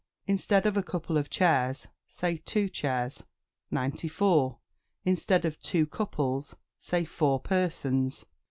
Instead of "A couple of chairs," say "Two chairs." 94. Instead of "Two couples," say "Four persons."